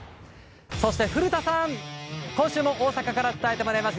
そして、古田さんには今週も大阪から伝えてもらいます。